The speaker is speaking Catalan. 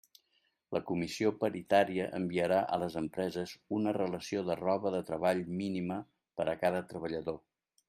La Comissió paritària enviarà a les empreses una relació de roba de treball mínima per a cada treballador.